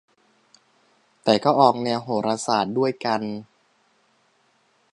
แต่ก็ออกแนวโหราศาสตร์ด้วยกัน